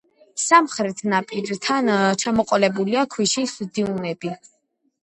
სამხრეთ ნაპირებთან ჩამოყალიბებულია ქვიშის დიუნები.